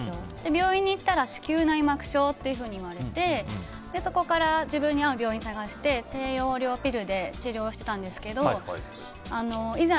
病院に行ったら子宮内膜症といわれてそこから自分に合う病院を探して低用量ピルで治療していたんですけどいざ